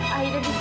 aida dituduh tante